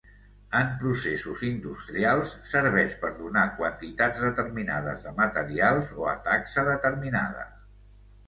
En processos industrials serveix per donar quantitats determinades de materials o a taxa determinada.